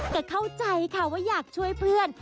แต่เข้าใจค่ะว่าอยากช่วยเพื่อน